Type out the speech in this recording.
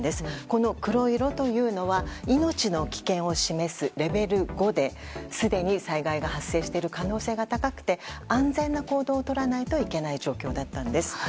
この黒色というのは命の危険を示すレベル５ですでに災害が発生している可能性が高くて安全な行動をとらないといけない状況だったんです。